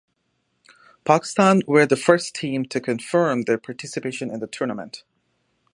Pakistan were the first team to confirm their participation in the tournament.